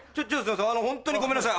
ホントにごめんなさい